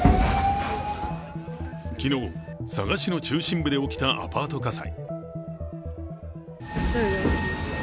昨日、佐賀市の中心部で起きたアパート火災。